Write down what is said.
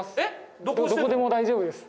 どこでも大丈夫です。